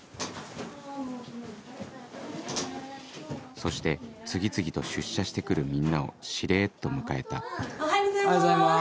そして次々と出社して来るみんなをしれっと迎えたおはようございます。